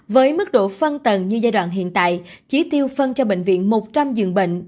với mức độ phân tầng như giai đoạn hiện tại chỉ tiêu phân cho bệnh viện một trăm linh giường bệnh